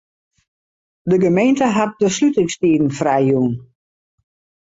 De gemeente hat de slutingstiden frijjûn.